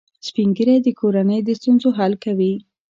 سپین ږیری د کورنۍ د ستونزو حل کوي